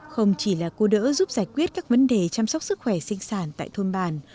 không chỉ là cô đỡ giúp giải quyết các vấn đề chăm sóc sức khỏe sinh sản tại thôn bàn